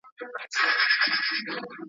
آیا اړتیا تر مینې مهمه ده؟